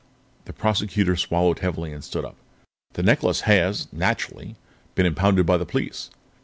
The Prosecutor swallowed heavily and stood up. "The necklace has, naturally, been impounded by the police.